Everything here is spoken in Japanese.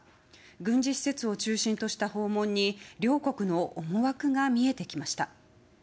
軍事施設を中心とした訪問に両国の思惑が見えてきました。